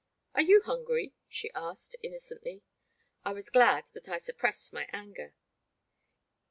*' Are you hungry ?she asked, innocently. I was glad that I suppressed my anger.